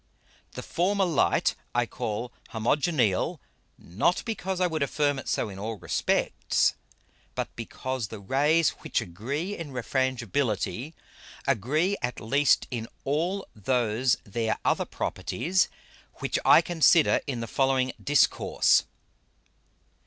_ The former Light I call Homogeneal, not because I would affirm it so in all respects, but because the Rays which agree in Refrangibility, agree at least in all those their other Properties which I consider in the following Discourse.